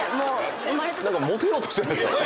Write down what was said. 何かモテようとしてないですか？